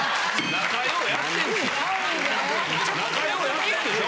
仲ようやってんでしょ？